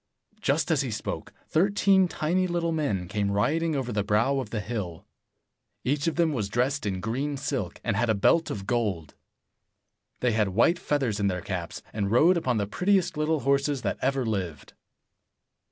Just as he spoke, thirteen tiny little men came riding over the brow of the hill. Each of them was dressed in green silk, and had a belt of gold. They had white feathers in their caps, and rode upon the prettiest little horses that ever lived.